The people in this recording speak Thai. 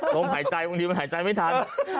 ลมหายใจบางทีมันหายใจไม่ทัน